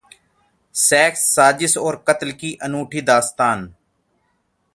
sex, साजिश और कत्ल की अनूठी दास्तान